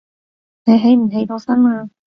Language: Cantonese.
你起唔起到身呀